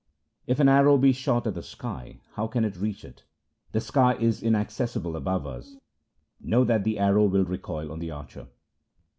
If an arrow be shot at the sky, how can it reach it ? The sky is inaccessible above us ; know that the arrow will recoil on the archer.